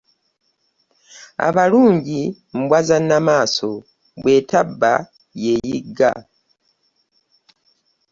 Abalunji mbwa ya nnamasole , bw'etebba yeyigga .